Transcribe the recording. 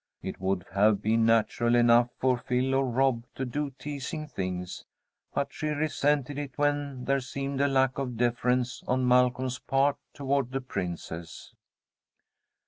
It would have been natural enough for Phil or Rob to do teasing things, but she resented it when there seemed a lack of deference on Malcolm's part toward the Princess.